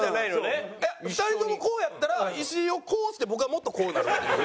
２人ともこうやったら石井をこうして僕はもっとこうなるっていう。